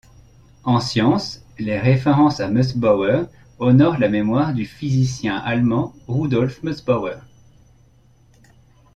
En sciences, les références à Mössbauer honorent la mémoire du physicien allemand Rudolf Mössbauer.